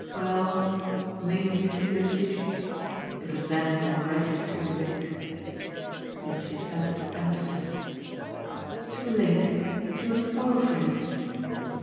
"Well, made me see the future. It was then already too late." Mitchy assented with emphasis. "Too late. She was spoiled for him."